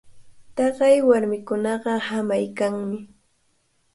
Taqay warmikunaqa hamaykanmi.